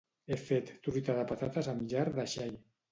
He fet truita de patates amb llard de xai.